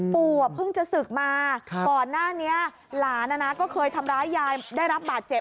ปู่เพิ่งจะศึกมาก่อนหน้านี้หลานก็เคยทำร้ายยายได้รับบาดเจ็บ